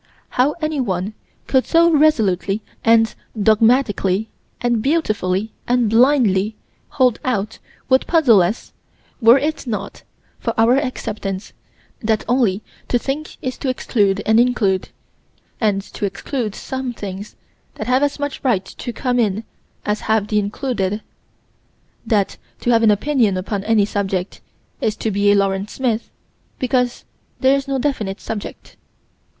How anyone could so resolutely and dogmatically and beautifully and blindly hold out would puzzle us were it not for our acceptance that only to think is to exclude and include; and to exclude some things that have as much right to come in as have the included that to have an opinion upon any subject is to be a Lawrence Smith because there is no definite subject.